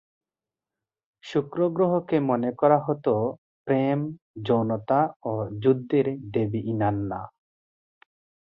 শুক্র গ্রহকে মনে করা হত প্রেম, যৌনতা ও যুদ্ধের দেবী ইনান্না।